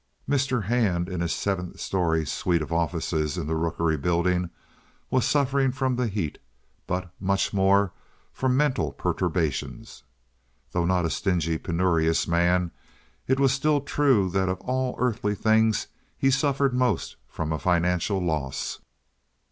Mr. Hand, in his seventh story suite of offices in the Rookery Building, was suffering from the heat, but much more from mental perturbation. Though not a stingy or penurious man, it was still true that of all earthly things he suffered most from a financial loss.